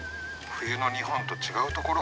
冬の日本と違うところ。